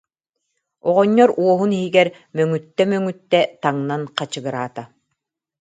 Оҕонньор уоһун иһигэр мөҥүттэ-мөҥүттэ таҥнан хачыгыраата.